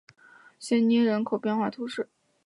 谢涅人口变化图示